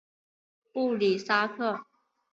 布里萨克。